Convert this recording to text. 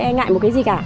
không có chuyện gì cả